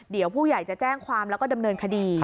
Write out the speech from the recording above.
เดี๋ยวผู้ใหญ่จะแจ้งความแล้วก็ดำเนินคดี